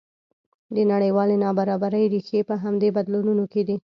د نړیوالې نابرابرۍ ریښې په همدې بدلونونو کې دي.